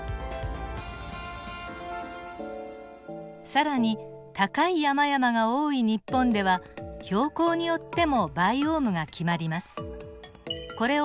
更に高い山々が多い日本では標高によってもバイオームが決まります。